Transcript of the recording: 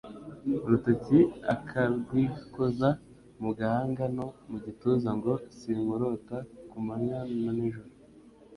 urutoki akarwikoza mu gahanga no mu gituza, ngo Sinkurota ku manywa na n’ijoro